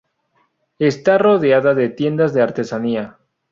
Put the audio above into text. Está rodeada de tiendas de artesanía.